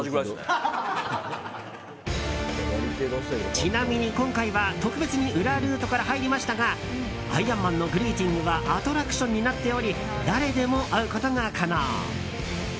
ちなみに今回は特別に裏ルートから入りましたがアイアンマンのグリーティングはアトラクションになっており誰でも会うことが可能。